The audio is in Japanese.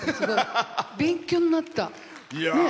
勉強になった。